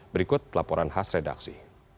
berikut laporan khas redaksi